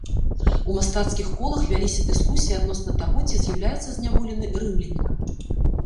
У мастацкіх колах вяліся дыскусіі адносна таго, ці з'яўляецца зняволены рымлянінам.